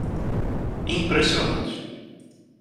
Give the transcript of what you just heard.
Impressionante